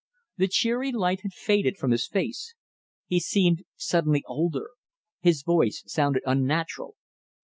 The cheery light had faded from his face. He seemed suddenly older. His voice sounded unnatural.